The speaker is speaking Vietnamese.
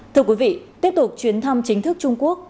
thưa quý vị tiếp tục chuyến thăm chính thức trung quốc